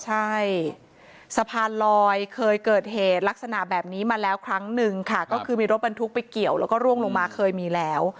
ใช่สะพานลอยเคยเกิดเหตุลักษณะแบบนี้มาแล้วครั้งหนึ่งค่ะก็คือมีรถบรรทุกไปเกี่ยวแล้วก็ร่วงลงมาเคยมีแล้ว